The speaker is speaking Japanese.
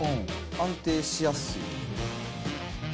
安定しやすい。